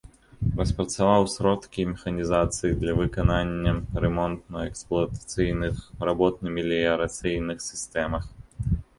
Распрацаваў сродкі механізацыі для выканання рамонтна-эксплуатацыйных работ на меліярацыйных сістэмах.